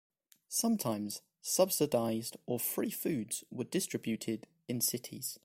Sometimes, subsidized or free foods were distributed in cities.